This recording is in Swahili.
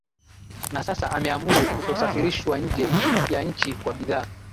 na sasa ameamuru kutosafirishwa nje ya nchi kwa bidhaa